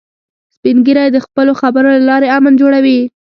سپین ږیری د خپلو خبرو له لارې امن جوړوي